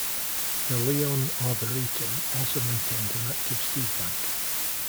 The Lyon Arboretum also maintains an active seed bank.